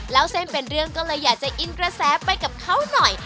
แล้วเส้นเป็นเรื่องก็เลยอยากจะอินกระแสไปกับเขาหน่อย